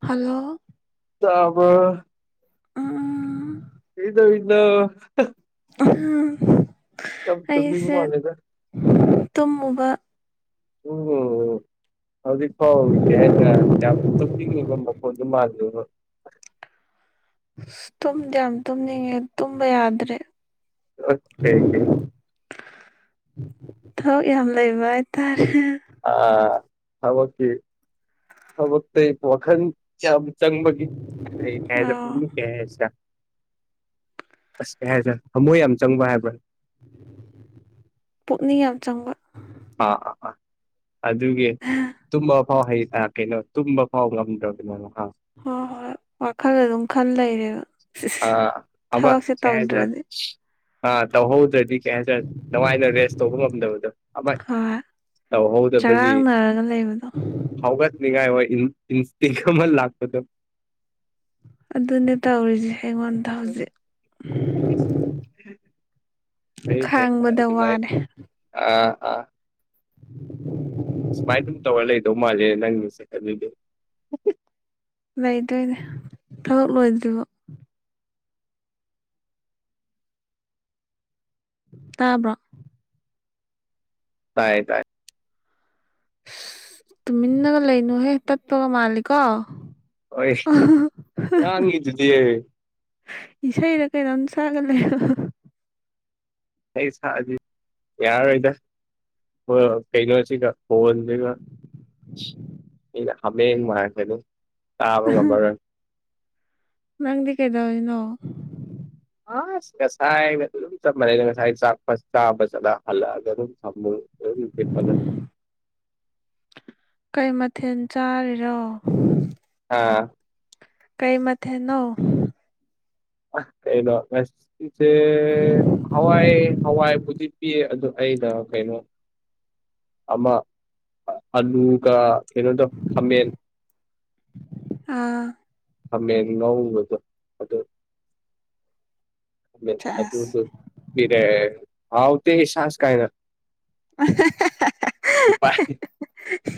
hello ꯇꯕ ꯑ ꯏꯗꯣ ꯏꯗ ꯎꯝ ꯀ ꯊꯃꯤ ꯨꯃꯥꯒꯗ ꯇꯨꯝꯃꯕ ꯎꯝ ꯍꯧꯖꯤꯛ ꯍꯥꯎ ꯏꯗꯦ ꯍꯥꯏ ꯌꯥ ꯇ ꯃꯣꯟ ꯑꯗꯨ ꯃꯥ ꯇꯨꯝꯗꯤ ꯌꯥꯝ ꯇꯨꯝꯅꯤꯡꯉꯦ ꯇꯨꯝꯕ ꯌꯥꯗ꯭ꯔꯦ ꯑꯦ ꯊꯕꯛ ꯌꯥꯝ ꯂꯩꯕ ꯍꯥꯏꯇꯥꯔꯦ ꯑ ꯍꯕꯀꯤ ꯊꯕꯛꯇ ꯋꯥꯈꯟ ꯆ ꯆꯪ ꯃꯒꯤ ꯀꯖ ꯑꯥ ꯄꯝꯃꯤꯨ ꯀ ꯍꯥꯏꯁ ꯑꯁ ꯀ ꯍꯥꯏꯕ꯭ꯔꯥ ꯍꯥꯃꯣꯏ ꯌꯥꯝ ꯆꯪꯕ ꯍꯥꯏꯕ꯭ꯔꯥ ꯄꯨꯛꯅꯤꯡ ꯌꯥꯝ ꯆꯪꯕ ꯑꯥ ꯑꯥ ꯑꯥ ꯑꯗꯨꯒꯤ ꯇꯨꯝꯕ ꯐꯥꯎ ꯍꯩ ꯌꯥꯀꯦꯩꯅꯣ ꯇꯨꯝꯕ ꯐ ꯄꯣꯕ꯭ꯂꯦꯝꯝ ꯍꯣꯏ ꯍꯣꯏ ꯋꯥꯈꯜꯗ ꯑꯗꯨꯝ ꯈꯟ ꯂꯩꯔꯦꯕ ꯑꯥ ꯑꯕ ꯊꯕꯛꯁꯦ ꯁꯦꯖ ꯑ ꯇꯧꯗ꯭ꯔꯗꯤ ꯍ ꯑꯗꯨꯗꯤ ꯀꯩ ꯍꯥꯏꯇꯥꯔꯦ ꯅꯉꯥꯏꯅ ꯔꯦꯁ ꯇꯧꯕ ꯉꯝꯗꯕꯗꯣ ꯍꯣꯏ ꯇꯧꯍꯧꯗꯕꯒꯤ ꯆꯔꯥꯡꯅꯔꯒ ꯂꯩꯕꯗꯣ ꯍꯧꯒꯠꯅꯤꯡꯉꯥꯏ ꯑꯣꯏ ꯏꯟꯁꯇꯦꯒ꯭ꯔꯝꯜ ꯂꯥꯛꯄꯗ ꯑꯗꯨꯅꯦ ꯇꯧꯔꯤꯁꯦ ꯑꯩꯉꯣꯟꯗ ꯍꯧꯖꯤꯛ ꯐꯩ ꯐꯩ ꯈꯪꯕꯗ ꯑꯗꯨꯃꯥꯏ ꯋꯥꯔꯦ ꯑꯥ ꯑꯥ ꯁꯃꯥꯏ ꯇ ꯇꯧ ꯋꯥꯔꯤ ꯂꯩꯗꯧ ꯃꯥꯦ ꯅꯪꯁ ꯂꯩꯗꯣꯏꯅꯦ ꯊꯕꯛ ꯂꯣꯏꯗ꯭ꯔꯤꯔꯤꯕ ꯇꯥꯕ꯭ꯔꯣ ꯇꯥꯏꯌꯦ ꯇꯥꯏꯌꯦ ꯇꯨꯃꯤꯟꯅꯒ ꯂꯩꯅꯨꯍꯦ ꯇꯠꯄꯒ ꯃꯥꯜꯂꯤꯀꯣ ꯑ ꯍꯣꯏ ꯉꯥꯡꯉꯤꯗꯨꯗꯤ ꯑꯩ ꯏꯁ ꯏꯔ ꯀ ꯅꯟꯁ ꯑꯦ ꯑꯩ ꯁꯥꯁꯤ ꯌꯥꯔꯣꯏꯗ ꯑꯣ ꯐꯩꯅꯩꯅꯁꯤ ꯀ ꯍꯟꯗꯦꯒ ꯍ ꯃꯥꯥꯏ ꯍꯥꯏꯦꯗ ꯇꯥꯕ ꯉꯕꯔ ꯅꯪꯗꯤ ꯀꯦꯗꯅꯣ ꯑ ꯉꯁꯥꯏ ꯑꯗꯨ ꯆ ꯃꯅꯦ ꯉꯁꯥꯏ ꯆ ꯆ ꯆ ꯍꯜꯒ ꯑꯗꯨ ꯁꯃꯨ ꯦ ꯐꯗ [unintelligible] ꯀꯩ ꯃꯊꯦꯜ ꯆꯥꯔꯤꯔꯣ ꯑꯥ ꯀꯩ ꯃꯊ ꯅ ꯀꯩꯅ‌ꯣ [unintelligible] ꯍꯋꯥꯏ ꯍꯋꯥꯏꯕꯨꯗꯤ ꯄꯤ ꯑꯗꯨ ꯑꯩꯗ ꯀꯩꯅꯣ ꯑꯃ ꯑꯂꯨꯒ ꯑꯦꯩꯅꯣꯗ ꯈꯝꯦꯜ ꯑ ꯐꯃꯦ ꯉꯕꯗꯣ ꯑꯗꯨ ꯑꯗꯨ ꯁꯦꯁ ꯑꯗꯨ ꯑꯗꯨ ꯐꯔꯦ ꯍꯥꯎꯥꯎꯗ ꯁꯁ ꯀꯥꯏꯅ [unintelligible] ꯥꯏ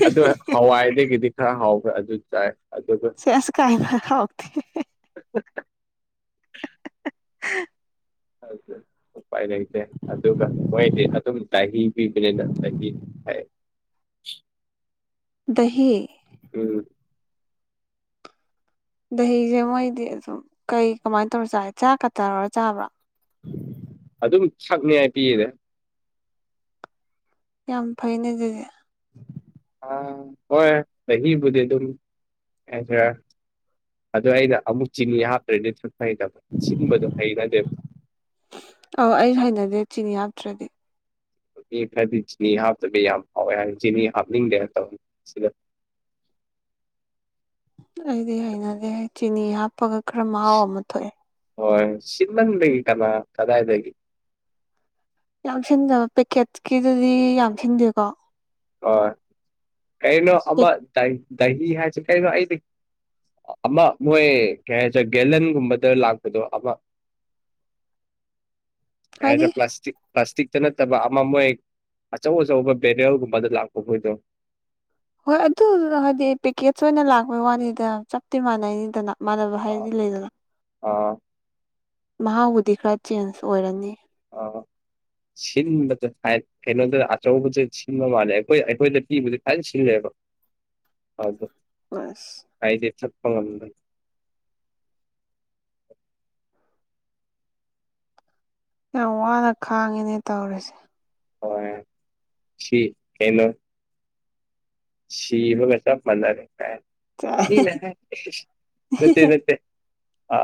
ꯑꯗꯨ ꯍꯋꯥꯏꯗꯒꯤꯗꯤ ꯈꯔ ꯍꯥꯎꯕ꯭ꯔꯥ ꯑꯗꯨ ꯆꯥꯏ ꯑꯗꯨꯒ ꯁꯤ ꯑꯁ ꯀꯥꯏ ꯐꯔ ꯊ ꯑꯗꯨ ꯎꯄꯥꯏ ꯂꯩꯇꯦ ꯑꯗꯨꯒ ꯃꯣꯏꯗꯤ ꯑꯗꯨꯝ ꯗ ꯄꯤꯕꯅꯤꯅ ꯗ ꯍ ꯗꯍꯤ ꯗꯍꯤꯁꯦ ꯃꯣꯏꯗꯤ ꯑꯗꯨꯝ ꯀꯩ ꯀꯃꯥꯏꯅ ꯇꯧꯔ ꯆꯥꯏ ꯆꯥꯛꯀ ꯇꯥꯔꯔ ꯆꯥꯕ꯭ꯔꯥ ꯎ ꯑꯗꯨꯝ ꯁꯛꯅꯤ ꯍꯥꯏ ꯄꯤꯌꯦꯅꯦ ꯌꯥꯝ ꯐꯩꯅꯦ ꯑꯗꯨꯗꯤ ꯑ ꯍꯣꯏ ꯆꯍꯤꯍꯤꯕꯨꯗꯤꯦ ꯇꯁ ꯑꯗꯨ ꯑꯩꯅ ꯑꯃꯨꯛ ꯆꯤꯅꯤ ꯍꯥꯞꯇ꯭ꯔꯦꯅꯦ ꯍꯩ ꯇꯕ ꯁꯤꯕꯗꯣ ꯍꯩꯔꯗꯦ ꯑꯧ ꯑꯩ ꯍꯩꯅꯗꯦ ꯆꯤꯅꯤ ꯍꯥꯞꯇ꯭ꯔꯗꯤ ꯃꯤ ꯐꯗꯤ ꯆꯤꯅꯤ ꯍꯥꯞꯇꯕꯤ ꯌꯥꯝ ꯍꯥꯎꯋꯦ ꯍꯥꯏ ꯆꯤꯅꯤ ꯍꯥꯞꯅꯤꯡꯗꯦꯅ ꯇꯧꯅꯤ ꯁꯤꯗ [inaudible] ꯑꯩꯗꯤ ꯍꯩꯅꯗꯦ ꯆꯤꯅꯤ ꯍꯥꯞꯄꯒ ꯈꯔ ꯃꯍꯥꯎ ꯑꯃ ꯊꯣꯛꯑꯦ ꯁꯤꯃꯪ ꯂꯩ ꯏ ꯀꯃ ꯀꯗꯥꯥꯏꯗꯗꯒꯤ ꯌꯥꯝ ꯊꯤꯟꯖꯕ ꯄꯦꯛꯀꯦꯠꯀꯤꯗꯨꯗꯤ ꯌꯥꯝ ꯊꯤꯟꯗꯦꯀꯣ ꯍ ꯀꯩꯅꯣ ꯑꯃ ꯗꯍꯤ ꯍꯥꯏꯁꯦ ꯀꯩꯅꯣ ꯑꯩꯗꯤ ꯑꯃ ꯃꯣꯏ ꯀꯩ ꯍꯥꯏꯁꯦ ꯒꯦꯂꯟꯒꯨꯝꯕꯗ ꯂꯥꯛꯄꯗꯣ ꯑꯃ [inaudible] ꯍꯥꯏꯗꯤ ꯄ꯭ꯂꯥꯁꯇꯤꯛ ꯄ꯭ꯂꯥꯁꯇꯤꯛꯇ ꯅꯠꯇꯕ ꯑꯃ ꯃꯣꯏ ꯑꯆꯧ ꯑꯆꯧꯕ ꯕꯦꯔꯦꯜꯒꯨꯝꯕ ꯃꯗ ꯂꯥꯛ ꯍꯣꯏꯗ ꯍꯣꯏ ꯑꯗꯨ ꯍꯥꯏꯗꯤ ꯄꯦꯛꯀꯦꯖ ꯑꯣꯏꯅ ꯂꯥꯛꯄꯩ ꯋꯥꯅꯤꯗ ꯆꯞꯇꯤ ꯃꯥꯟꯅꯩꯅꯤꯗꯅ ꯏ ꯃꯥꯥꯟꯅꯕ ꯑꯥ ꯍꯥꯏꯔꯗꯤ ꯂꯩꯗꯅ ꯃꯍꯥꯎꯕꯨꯗꯤ ꯈꯔ ꯆꯦꯟꯖ ꯑꯣꯏꯔꯅꯤ ꯑ ꯁꯤꯟꯕꯁ ꯀꯩꯅꯣꯗ ꯑꯆꯧꯕꯁꯦ ꯁꯤꯟꯕ ꯃꯥꯜꯂꯦ ꯑꯩꯈꯣꯏ ꯑꯩꯈꯣꯏꯗ ꯄꯤꯕꯁꯦ ꯊꯅ ꯁꯤꯜꯂꯦꯕ [inaudible] ꯑꯗꯨ ꯑꯁ ꯐ ꯌꯥꯝ ꯋꯥꯅ ꯈꯥꯡꯉꯤꯅꯦ ꯇꯧꯔꯤꯁꯦ ꯍ ꯁꯤ ꯀꯩꯅꯣ ꯁꯤꯤꯕꯒ ꯆ ꯃꯅꯔꯦ ꯀꯥꯏ ꯏꯅ ꯅꯠꯇ ꯅꯠꯇ ꯑ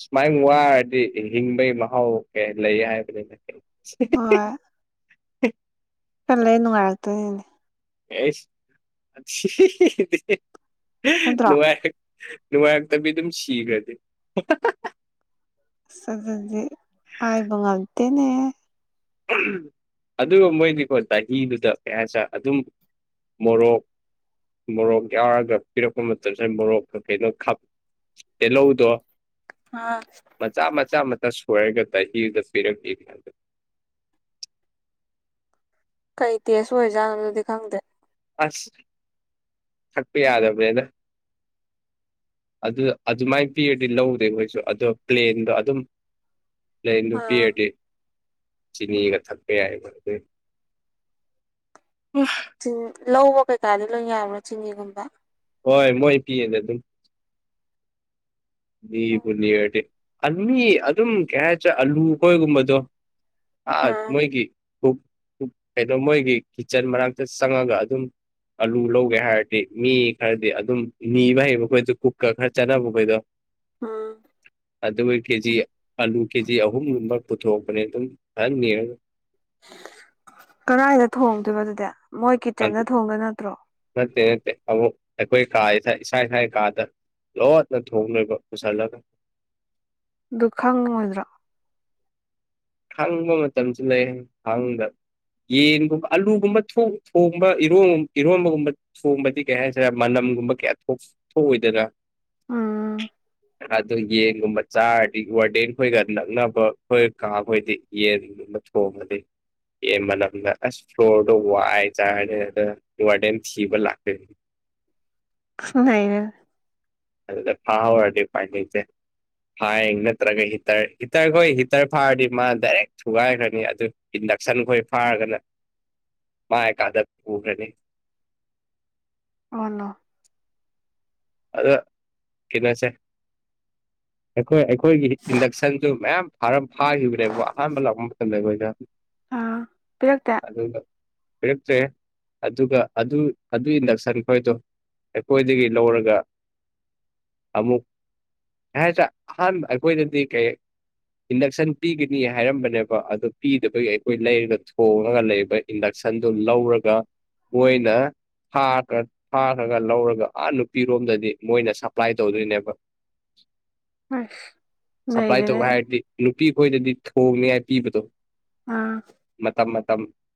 ꯁꯨꯃꯥꯏ ꯋꯥꯔꯗꯤ ꯍꯤꯡꯕꯒꯤ ꯃꯍꯥꯎ ꯀꯩ ꯂꯩ ꯍꯥꯏꯕꯅꯤꯅ ꯍꯣꯏ ꯍ ꯀꯜꯂ ꯅꯨꯡꯉꯥꯏꯔꯛꯇꯣꯏꯅꯦꯅꯦ ꯀꯁ ꯅꯠꯇ꯭ꯔꯣ ꯅꯨꯡꯉꯥꯏ ꯅꯨꯡꯉꯥꯏꯔꯇꯕꯤ ꯑꯗꯨꯝ ꯁꯤꯈ꯭ꯔꯗꯤꯦ ꯁꯗꯤ ꯍꯥꯏꯥꯏꯕꯉꯝꯇꯅꯦ ꯑꯗꯨꯒ ꯃꯣꯏꯒꯤꯀꯣ ꯆꯍꯤꯗꯨꯗ ꯀꯌꯥꯁ ꯑꯗꯨꯝ ꯃꯣꯔꯣꯛ ꯃꯣꯔꯣꯛ ꯌꯥꯎꯔꯒ ꯄꯤꯔꯛꯄ ꯃꯇꯝꯁꯤꯗ ꯃꯣꯔꯣꯛꯀ ꯀꯩꯅꯣꯥꯞ ꯇꯤꯍꯧꯗꯣ ꯑꯥ ꯃꯆꯥ ꯃꯆꯥ ꯁꯣꯏꯔꯒ ꯇꯗ ꯄꯤꯔꯛꯄꯤꯒꯗ ꯀꯩ ꯇꯦꯁ ꯑꯣꯏꯖꯥꯠꯅꯣ ꯑꯗꯨꯗꯤ ꯈꯪꯗꯦ ꯑꯁ ꯊꯛꯄ ꯌꯥꯗꯕꯅꯦꯅ ꯑꯗꯨ ꯑꯗꯨꯃꯥꯏꯅ ꯄꯤꯔꯗꯤ ꯂꯧꯗꯦ ꯃꯣꯏꯁꯨ ꯑꯗꯣ ꯄ꯭ꯂꯦꯟꯗꯣ ꯑꯗꯨꯝ ꯂꯩ ꯅꯨꯄꯤꯤ ꯑꯥ ꯑꯦ ꯆꯅꯤꯒ ꯊꯛꯀꯦ ꯍꯥꯏ ꯈ ꯆꯤꯡ ꯂꯧꯕ ꯀꯩꯀꯥꯗꯤ ꯂꯣꯏ ꯌꯥꯕꯅꯣ ꯆꯤꯍꯤꯒꯨꯝꯕ ꯍꯣꯏ ꯃꯣꯏ ꯄꯤꯌꯦꯅꯦ ꯑꯗꯨꯝ ꯅꯤꯕꯨꯅꯤ ꯑꯣꯏꯔꯗꯤ ꯑꯅꯤ ꯑꯗꯨꯝ ꯀꯌꯥ ꯑꯂꯨꯈꯣꯏꯒꯨꯝꯕꯗꯣ ꯑ ꯑꯥ ꯃꯣꯏꯒꯤ ꯀꯩꯅꯣ ꯃꯣꯏꯒꯤ ꯀꯤꯠꯆꯟ ꯃꯅꯥꯛꯇ ꯆꯪꯉꯒ ꯑꯗꯨꯝ ꯑꯂꯨ ꯂꯧꯒꯦ ꯍꯥꯏꯔꯗꯤ ꯃꯤ ꯈꯔꯗꯤ ꯑꯗꯨꯝ ꯅꯤꯕ ꯍꯩꯕ ꯈꯣꯏꯗ ꯀꯨꯛꯀ ꯈꯔ ꯆꯠꯅꯕ ꯈꯣꯏꯗꯣ ꯎꯝ ꯀꯦꯖꯤ ꯑꯂꯨ ꯀꯦꯖꯤ ꯑꯍꯨꯝꯒꯨꯝꯕ ꯄꯨꯊꯣꯛꯄꯅꯦ ꯑꯗꯨꯝ ꯐꯍꯅꯤ ꯀꯔꯥꯏꯗ ꯊꯣꯡꯗꯣꯏꯅꯣ ꯑꯗꯨꯗꯤ ꯃꯣꯏ ꯀꯤꯠꯆꯟꯗ ꯊꯣꯡꯗ ꯅꯠꯇ꯭ꯔꯣ ꯅꯠꯇꯦ ꯅꯠꯇꯦ ꯑꯃꯨꯛ ꯑꯩꯈꯣꯏ ꯀꯥ ꯏꯁ ꯏꯁꯥ ꯏꯁꯥ ꯀꯥꯗ ꯂꯗꯅꯦ ꯊꯣꯡ ꯄꯁꯥꯏꯂꯒ ꯗꯨꯈꯪ ꯃꯣꯏꯗ꯭ꯔꯥ ꯈꯥꯡꯕ ꯃꯇꯝꯁꯨ ꯂꯩ ꯈꯥꯡꯗ ꯌꯦꯟꯒꯨꯝꯕ ꯑꯂꯨꯒꯨꯝꯕ ꯊꯣꯡꯕꯔ ꯏꯔꯣꯟꯕꯒꯨꯝꯕ ꯊꯣꯡꯕꯗꯤ ꯀꯩ ꯍꯥꯏꯁꯤꯔꯦ ꯃꯅꯝ ꯒꯨꯝ ꯀꯌꯥ ꯊꯣꯛ ꯊꯣꯛꯑꯣꯏꯗꯅ ꯎꯝ ꯑ ꯌꯦꯟꯒꯨꯝꯕ ꯆꯥꯔꯗꯤ ꯋꯥꯔꯗꯦꯟ ꯈꯣꯏꯒ ꯅꯛꯅꯕ ꯑꯩꯈꯣꯏ ꯀ ꯑꯩꯣꯏꯗꯤ ꯌꯦꯟꯅꯤꯡꯅ ꯊꯣꯡꯉꯗꯤ ꯑꯦ ꯃꯅꯝꯗ ꯑꯁ ꯐ꯭ꯂꯣꯔꯗꯣ ꯋꯥꯏ ꯆꯥꯔꯦ ꯑꯗ ꯋꯥꯔꯗꯦꯟ ꯊꯤꯕ ꯂꯥꯛꯇꯣꯏꯅꯤ ꯄꯨꯟꯅꯅꯦꯦ ꯑ ꯐꯥꯋꯥꯔꯗꯤ ꯄꯥꯏꯅꯤꯁꯦ ꯐꯥꯏꯌꯦ ꯅꯠꯇ꯭ꯔꯒ ꯍꯤꯇꯔ ꯍꯤꯇꯔ ꯍꯣꯏ ꯍꯤꯇꯔ ꯐꯥꯔꯗꯤ ꯃꯥ ꯗꯥꯏꯔꯦꯛ ꯊꯨꯒꯥꯏꯈ꯭ꯔꯅꯤ ꯑꯗꯨ ꯅꯛꯁꯟꯈꯣꯏ ꯐꯥꯔꯒꯅ ꯃꯥꯀꯥꯗ ꯎꯈ꯭ꯔꯅꯤ ꯑꯣꯅ ꯑꯗ ꯀꯅꯁꯦ [inaudible] ꯑꯩꯈꯣꯏ ꯑꯩꯈꯣꯏꯒꯤ ꯏꯟꯗꯛꯁꯟꯁꯨ ꯃꯌꯥꯝꯔ ꯐꯥꯈꯤꯕꯅꯦꯕ ꯑꯍꯥꯟꯕ ꯂꯥꯛꯄ ꯃꯇꯝꯗ ꯑꯩꯈꯣꯏꯅ ꯑꯥ ꯄꯤꯔꯛꯇꯦ ꯑꯗ ꯄꯤꯔꯛꯇ꯭ꯔꯦ ꯑꯗꯨꯒ ꯑꯗꯨ ꯑꯗꯨ ꯏꯟꯗꯛꯁꯟ ꯈꯣꯏꯗꯣ ꯑꯩꯈꯣꯏꯗꯒꯤ ꯂꯧꯔꯒ [inaudible] ꯑꯃꯨꯛ ꯍꯥꯏ ꯍꯥꯏꯁꯦ ꯑꯍꯥꯟꯕ ꯑꯩꯈꯣꯏꯗꯗꯤ ꯀꯩ ꯏꯟꯗꯛꯁꯟ ꯄꯤꯒꯅꯤ ꯍꯥꯏꯔꯝꯕꯅꯦꯕ ꯑꯗꯨ ꯄꯤꯗꯕꯒꯤ ꯑꯩꯈꯣꯏ ꯂꯩꯔꯒ ꯊꯣꯡꯉꯒ ꯂꯩꯕ ꯏꯟꯗꯛꯁꯟ ꯁꯟꯗꯨ ꯂꯧꯔꯒ ꯃꯣꯏꯅ ꯊꯥꯈ꯭ꯔꯒ ꯂꯧꯔꯒ ꯑꯥ ꯅꯨꯄꯤ ꯂꯣꯝꯗꯗꯤ ꯃꯣꯏꯅ ꯁꯄ꯭ꯂꯥꯏ ꯇꯧꯗꯣꯏꯅꯦꯕ ꯑꯁ ꯁꯞꯄ꯭ꯂꯥꯏ ꯅꯩꯔꯦꯅꯦ ꯇꯧꯧꯕ ꯍꯥꯏꯔꯗꯤ ꯅꯨꯄꯤ ꯈꯣꯏꯗꯗꯤ ꯊꯣꯡꯅꯤꯉꯥꯏ ꯄꯤꯕꯗꯣ ꯑꯥ ꯝ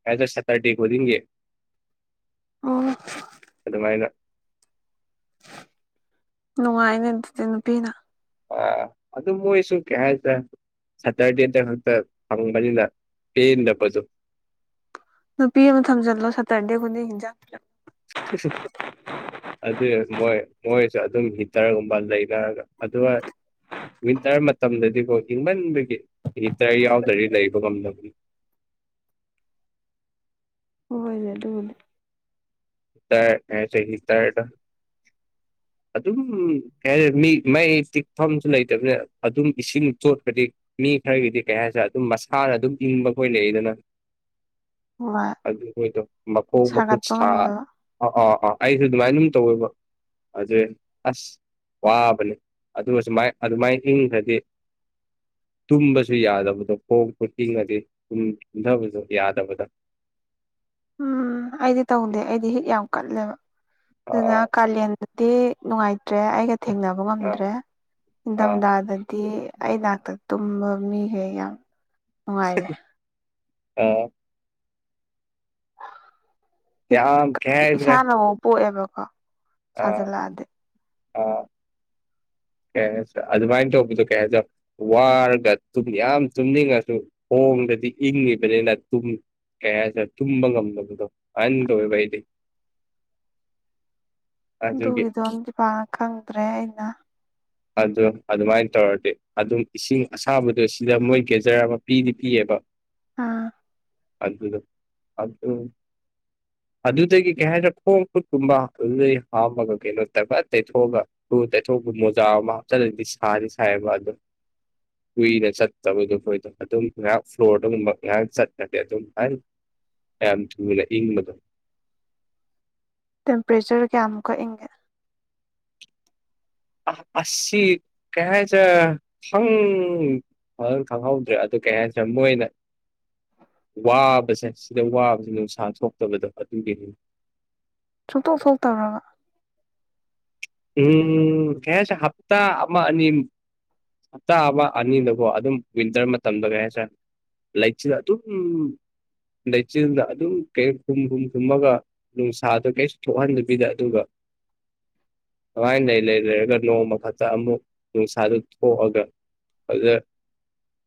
ꯑꯦꯁ ꯑꯦ ꯁꯦꯇꯔꯗꯦ ꯈꯨꯗꯤꯡꯒꯤ ꯑꯣ ꯑꯗꯨꯃꯥꯏꯅ ꯅꯨꯡꯉꯥꯏꯅꯦ ꯑꯗꯨꯗꯤ ꯅꯨꯄꯤꯅ ꯑ ꯑꯗꯨ ꯑꯗꯨ ꯃꯣꯏꯁꯨꯨ ꯀꯦꯁ ꯁꯇꯔꯗꯤꯇ ꯈꯛꯇ ꯊꯃꯕꯗ ꯄꯗꯄꯁꯨ ꯅꯨꯄꯤ ꯑꯃ ꯊꯝꯖꯤꯜꯂꯣ ꯁꯥꯠꯇ꯭ꯔꯟꯗꯦ ꯍꯨꯗꯤꯖꯥ ꯑꯗꯨꯗ ꯃꯣꯏ ꯃꯣꯏ ꯑꯗꯨꯝ ꯍꯤꯇꯔꯒꯨꯝꯕ ꯂꯩꯅꯔꯒ ꯑꯗꯨꯒ ꯋꯤꯟꯇꯔ ꯃꯇꯝꯗꯗꯤꯀꯣ ꯍꯤꯡꯃꯟꯕꯒꯤ ꯍꯇꯔ ꯌꯥꯎꯗꯗꯤ ꯂꯩꯕ ꯉꯝꯗꯕꯅꯤ ꯍ ꯍꯣꯏꯅꯦ ꯑꯗꯨꯕꯨꯅꯦ ꯇ ꯑꯦꯁ ꯇꯔꯠ ꯑꯗꯨꯝ ꯀꯩꯔꯦ ꯃꯤ ꯃꯩ ꯇꯤꯛꯐꯝꯁꯨ ꯂꯩꯇꯕꯅꯤꯅ ꯑꯗꯨꯝ ꯏꯁꯤꯡ ꯆꯣꯠꯄꯗꯤ ꯃꯤ ꯈꯔꯒꯤꯗꯤ ꯀꯩ ꯍꯥꯏꯁꯤꯔꯦ ꯑꯗꯨꯝ ꯃꯁꯥꯅ ꯑꯗꯨꯝ ꯏꯪꯕꯈꯣꯏ ꯂꯩꯗꯅ [inaudible] ꯑꯗꯨ ꯑꯣꯏꯗꯣ ꯃꯈꯣꯡ ꯃꯈꯨꯠ ꯁꯥꯒꯠꯄ ꯁꯥ ꯉꯝꯗꯕ ꯑ ꯑꯥ ꯑꯥ ꯑꯩꯁꯨꯦ ꯑꯗꯨꯃꯥꯏꯅ ꯑꯗꯨꯝ ꯇꯧꯋꯦꯕ ꯑꯗꯨ ꯑꯁ ꯋꯥꯕꯅꯤ ꯑꯗꯨꯒ ꯁꯨꯃꯥꯏ ꯑꯗꯨꯃꯥꯏꯅ ꯏꯪꯗ꯭ꯔꯗꯤ ꯇꯨꯝꯕꯁꯨ ꯌꯥꯗꯕꯗꯣ ꯈꯣꯡ ꯈꯨꯀꯤꯡꯉꯗꯤ ꯇꯨꯝꯊꯕꯁꯨ ꯌꯥꯗꯕꯗ [inaudible] [inaudible] ꯎꯝ ꯑꯩꯗꯤ ꯇꯧꯗꯦ ꯑꯩꯗꯤ ꯍꯤꯠ ꯌꯥꯝ ꯀꯠꯂꯦꯕ ꯑꯗꯨꯅ ꯑꯥ ꯀꯥꯂꯦꯟꯗ ꯗꯤ ꯅꯨꯡꯉꯥꯏꯇ꯭ꯔꯦ ꯑꯩꯒ ꯊꯦꯡꯅꯕ ꯑꯥ ꯉꯝꯗ꯭ꯔꯦ ꯑꯥ ꯅꯤꯡꯊꯝꯊꯥꯗꯗꯤ ꯑꯩ ꯅꯥꯥꯛꯇ ꯇꯨꯝꯕ ꯃꯤꯁꯦ ꯌꯥꯝ ꯅꯨꯡꯉꯥꯏꯔꯦ ꯑ ꯌꯥꯝ ꯀꯩ ꯍꯥꯏꯁꯤꯔꯦ ꯏꯁꯥꯅꯕꯨ ꯄꯣꯛꯑꯦꯕꯀꯣ ꯁꯥꯖꯤꯜꯂꯛꯑꯗꯤ ꯑꯥ ꯀ ꯍꯥꯏ ꯑꯗꯨꯃꯥꯏꯅ ꯇꯧꯕꯗꯣ ꯀꯩ ꯍꯥꯏꯔ ꯋꯥꯔꯒ ꯌꯥꯝ ꯆꯨꯝꯅꯤꯡꯉꯁꯨ ꯃꯣꯡꯗꯗꯤ ꯏꯪꯉꯤꯕꯅꯤꯅ ꯇꯨꯝ ꯀ ꯍꯥꯏꯁꯦ ꯇꯨꯝꯕ ꯉꯝꯗꯕꯗꯣ ꯑꯟ ꯇꯧꯋꯦꯕ ꯑꯩꯗꯤ ꯑꯗꯨꯒꯤ ꯑꯗꯨꯒꯤꯗꯣꯝ ꯄꯥꯟꯅ ꯈꯪꯗ꯭ꯔꯦ ꯑꯩꯅ ꯑꯗꯨ ꯑꯗꯨꯃꯥꯏꯅ ꯇꯧꯔꯗꯤ ꯑꯗꯨꯝ ꯏꯁꯤꯡ ꯑꯁꯥꯕꯗꯣ ꯁꯤꯗ ꯃꯣꯏ ꯒꯦꯖꯔ ꯑꯃ ꯄꯤꯗꯤ ꯄꯤꯌꯦꯕ ꯑꯥ ꯑꯗꯨꯗ ꯑꯗꯨ ꯑꯗꯨꯗꯒꯤ ꯀꯩ ꯍꯥꯏꯇꯥꯔꯦ ꯈꯣꯡ ꯈꯨꯠꯀꯨꯝꯕ ꯑꯗꯨꯗꯩ ꯍꯥꯥꯎꯝꯃꯒ ꯀꯩꯅꯣ ꯇꯕ ꯇꯩꯊꯣꯛꯑꯒ ꯇꯩꯊꯣꯛꯄ ꯃꯣꯖꯥ ꯑꯃ ꯍꯥꯞꯆꯜꯂꯗꯤ ꯁꯥꯗꯤ ꯁꯥꯏꯕ ꯑꯗꯣ ꯀꯨꯏꯅ ꯆꯠꯇꯕꯗꯣ ꯐꯏꯗꯣ ꯑꯗꯨꯝ ꯉꯥꯏꯍꯥꯛ ꯐ꯭ꯂꯣꯔꯗꯨꯒꯨꯝꯕ ꯉꯥꯏꯍꯥꯛ ꯆꯠꯅꯗꯤꯦ ꯑꯗꯨꯝ ꯍꯥꯏ ꯑꯂ ꯏꯪꯂꯪꯂꯗ ꯇꯦꯝꯄꯔꯦꯆꯔ ꯀꯌꯥꯃꯨꯛ ꯀꯛꯏꯒꯦ ꯑ ꯑ ꯀꯌꯥ ꯆ ꯍꯪ ꯍ ꯈꯪꯍꯧꯗ꯭ꯔꯦ ꯑꯗꯨ ꯀꯩ ꯍꯥꯏꯗ꯭ꯔꯦ ꯃꯣꯏꯅ ꯋꯥꯕꯁꯦ ꯁꯤꯗ ꯋꯥꯕꯁꯦ ꯅꯨꯡꯁꯥ ꯊꯣꯛꯇꯕꯗꯣ ꯑꯗꯨꯒꯤꯅꯤ ꯆꯨꯇꯣꯛ ꯊꯣꯛꯇꯕ꯭ꯔꯕ ꯎꯝ ꯀꯦꯁ ꯍꯞꯇꯥ ꯑꯅꯤ ꯍꯞꯇꯥ ꯑꯃ ꯑꯅꯤꯗꯀꯣ ꯑꯗꯨꯝ ꯋꯤꯟꯇꯔ ꯃꯇꯝꯗ ꯀꯩ ꯍꯥꯏꯁꯔ ꯂꯥꯏꯛꯁꯨ ꯇ ꯎꯝ ꯂꯩꯆꯤꯟꯗ ꯑꯗꯨꯝ ꯀ ꯈꯨꯝ ꯍꯨꯝ ꯊꯨꯝꯃꯒ ꯅꯨꯡꯁꯥꯗꯣ ꯀꯔꯤꯁꯨ ꯊꯣꯛꯍꯟꯗꯕꯤꯗ ꯑꯗꯨꯒ [inaudible] ꯀꯉꯥꯏꯅ ꯂꯩ ꯂꯩ ꯂꯩꯔꯒ ꯅꯣꯡꯃ ꯈꯛꯇ ꯑꯃꯨꯛ ꯅꯨꯡꯁꯥꯗꯨ ꯍꯑꯒꯦ ꯑꯗꯨꯗꯦ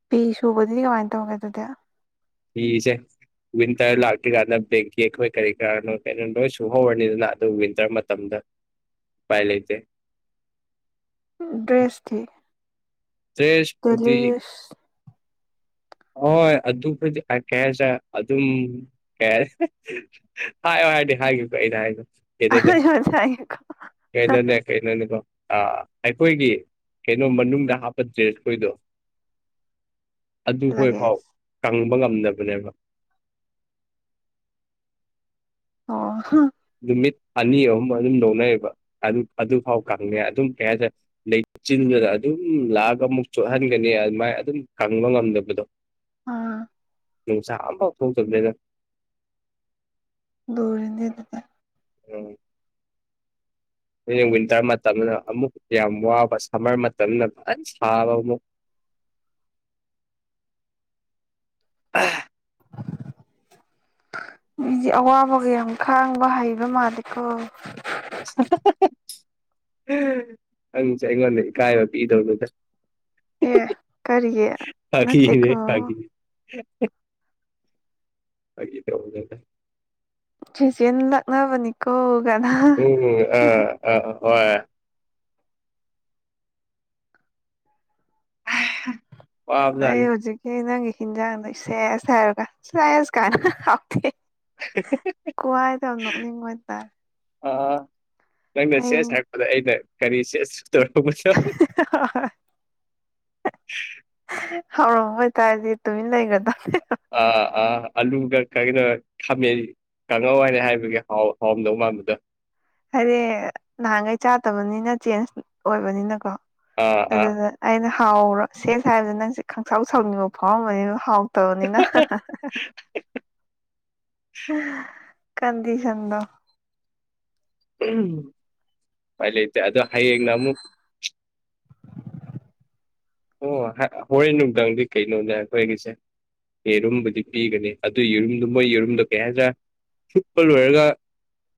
ꯐꯤ ꯁꯨꯕꯗꯨꯗꯤ ꯀꯃꯥꯏꯅ ꯇꯧꯒꯦ ꯑꯗꯨꯗꯤ ꯊꯁꯦ ꯋꯤꯟꯇꯔ ꯂꯥꯛꯇ꯭ ꯀꯥꯟꯗ ꯕꯦꯡꯀꯤ ꯑꯩꯈꯣꯏ ꯀꯔꯤ ꯀꯔꯥꯅꯣ ꯀꯩꯅꯣ ꯅꯣꯏ ꯁꯨꯍꯧꯔꯅꯤꯗꯅ ꯑꯗꯨꯋꯤꯟꯇꯔ ꯃꯇꯝꯗ ꯄꯥꯏ ꯂꯩꯇꯦ ꯗ꯭ꯔꯦꯁ ꯊ ꯇꯦꯖꯗꯤ [inaudible] ꯍꯣꯏ ꯑꯗꯨ ꯑꯗꯨ ꯐ ꯀꯦꯁ ꯑꯗꯨ ꯑꯗꯨꯝ ꯀꯦ ꯍꯥꯏꯗꯤ ꯍꯥꯏꯈꯤꯕꯀꯣ ꯑꯩꯅ ꯍꯥꯏꯕ ꯀꯩꯅꯣꯅꯦ ꯀꯩꯅꯣꯅꯦ ꯀꯩꯅꯣꯅꯦꯀꯣ ꯑ ꯑꯩꯈꯣꯏꯒꯤ ꯀꯩꯅꯣ ꯃꯅꯨꯡꯗ ꯍꯥꯞꯄ ꯗ꯭ꯔꯦꯁꯈꯣꯏꯗꯣ ꯂꯒꯦꯖ ꯑꯗꯨꯈꯣꯏꯐꯥꯎ ꯉꯝꯗꯕꯅꯦꯕ ꯑꯣ ꯅꯨꯃꯤꯠ ꯑꯅꯤ ꯑꯍꯨꯝ ꯑꯗꯨꯝ ꯂꯧꯅꯩꯌꯦꯕ ꯑꯗꯨ ꯑꯗꯨꯐꯥꯎ ꯀꯪꯉꯩ ꯑꯗꯨꯝ ꯀꯌꯥ ꯂꯩ ꯆꯤꯟꯗꯨꯅ ꯑꯗꯨꯝ ꯂꯥꯛꯑꯒ ꯑꯃꯨꯛ ꯆꯣꯠꯍꯟꯒꯅꯤ ꯑꯗꯨꯃꯥꯏ ꯑꯗꯨꯝ ꯀꯪꯕ ꯉꯝꯗꯕꯗꯣ ꯑꯥ ꯅꯨꯡꯁꯥ ꯑꯝꯕꯥꯎ ꯊꯣꯡ ꯆꯗꯗ ꯗꯗꯤ ꯑꯗꯨꯗ ꯎꯝ ꯋꯤꯟꯇꯔ ꯃꯇꯝꯗ ꯑꯃꯨꯛ ꯌꯥꯝ ꯋꯥꯕ ꯁꯝꯃꯔ ꯃꯇꯝꯅꯖ ꯁꯥꯕ ꯑꯃꯨꯛ [inaudible] ꯑ [inaudible] ꯃꯤꯗꯤ ꯑꯋꯥꯕꯒ ꯌꯥꯝ ꯈꯥꯡꯕ ꯍꯩꯕ ꯃꯥꯂꯦꯀꯣ ꯅꯪꯁꯦ ꯑꯩꯉꯣꯟꯗ ꯏꯀꯥꯏꯕ ꯄꯤꯏꯗꯧꯗꯨꯗ ꯑꯦ ꯀꯔꯤꯒꯤ ꯐꯅꯦ ꯅꯠꯇꯦꯀꯣ ꯐꯅꯦ ꯑꯩ ꯇꯗ ꯖꯦꯟꯂꯥꯛꯅꯕꯅꯤꯀꯣ ꯎꯝ ꯑꯥ ꯑ ꯍꯣꯏ [inaudible] ꯑꯩ ꯋꯥꯕꯖꯥꯠꯅꯤ ꯍꯧꯖꯤꯛꯀꯤ ꯅꯪꯒꯤ ꯈꯈꯤꯤꯟꯖꯥꯡꯗ ꯁꯦꯁ ꯍꯥꯏꯔꯒ ꯁꯦꯁ ꯀꯅꯥꯎꯇꯦ ꯀꯋꯥꯥꯏꯗ ꯅꯣꯛꯅꯤ ꯃꯣꯏ ꯇꯥꯏ ꯑ ꯅꯪꯅ ꯆꯦꯁ ꯍꯥꯏꯔꯛꯄꯗ ꯑꯩꯅ ꯀꯔꯤ ꯆꯦꯁ ꯇꯔꯣ ꯄꯨꯣ ꯍꯧꯥꯎꯔꯛꯣꯏꯇꯥꯔꯗꯤꯦ ꯇꯨꯃꯤꯟ ꯂꯩꯈ꯭ꯔꯗꯕ ꯑꯥꯂꯨꯗ ꯀꯩꯒꯤꯅꯣ ꯈꯥꯃꯦꯟ ꯀꯥꯡꯍꯧꯋꯥꯏꯔ ꯍꯥꯏꯕꯒꯤꯥꯎ ꯍꯥꯎꯔꯝꯗꯧ ꯃꯥꯟꯕꯗꯣ ꯍꯥꯏꯗꯤ ꯅꯍꯥꯟꯈꯩ ꯆꯥꯗꯕꯅꯤꯅ ꯆꯦꯟꯖ ꯑꯣꯏꯕꯅꯤꯅꯀꯣ ꯑꯥ ꯑꯥ ꯑꯗꯨꯗ ꯑꯩꯅ ꯍꯥꯎꯔ ꯁꯦꯁ ꯍꯥꯏꯕꯗꯤ ꯅꯪꯁꯦ ꯈꯪꯁꯥꯎ ꯁꯥꯎꯅꯤꯡꯕ ꯐꯥꯎꯔꯝꯝꯕꯅꯤꯅ ꯍꯥꯎ ꯇꯅꯤꯅ ꯀꯟꯗꯤꯁꯟꯗ ꯑ ꯂꯩ ꯑꯗ ꯍꯥꯏꯌꯦꯅ ꯑꯃꯨꯛ ꯑꯣ ꯍꯣꯔꯦꯟ ꯅꯨꯡꯗꯥꯡꯗꯤ ꯀꯩꯅꯣꯅꯦ ꯑꯩꯈꯣꯏꯒꯤꯁꯦ ꯌꯦꯔꯨꯝꯕꯨꯗꯤ ꯄꯤꯒꯅꯤ ꯑꯗꯨ ꯌꯦꯔꯨꯝꯗꯨꯣ ꯃꯣꯏ ꯌꯦꯔꯨꯝꯗꯣ ꯀꯌꯥ ꯆꯨꯄꯜ ꯑꯣꯏꯔꯒ